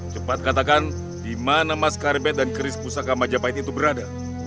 cepat katakan di mana mas karbet dan keris pusaka majapahit itu berada